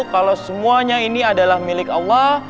kalau semuanya ini adalah milik allah